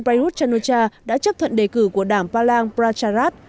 braywood chanuja đã chấp thuận đề cử của đảng phalang pracharat